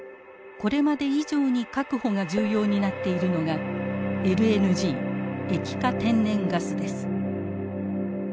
これまで以上に確保が重要になっているのがＬＮＧ液化天然ガスです。